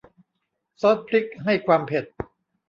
ซอสพริกให้ความเผ็ด